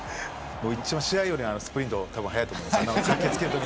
試合よりスプリントが速いと思います。